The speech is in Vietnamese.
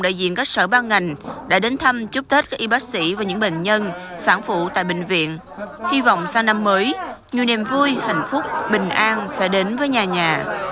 nhiều niềm vui hạnh phúc bình an sẽ đến với nhà nhà